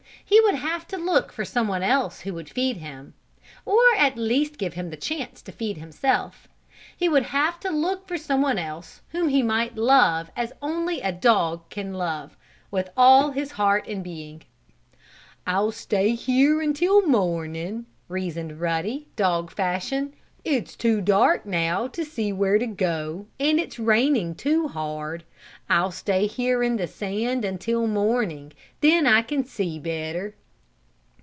He would have to look for someone else who would feed him, or at least give him the chance to feed himself. He would have to look for someone else whom he might love as only a dog can love with all his heart and being. "I'll stay here until morning," reasoned Ruddy, dog fashion. "It's too dark now to see where to go, and it's raining too hard. I'll stay here in the sand until morning, then I can see better."